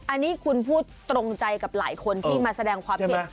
อันนี้คุณพูดตรงใจกับหลายคนที่มาแสดงความเห็น